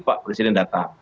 pak presiden datang